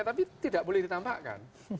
tapi tidak boleh ditampakkan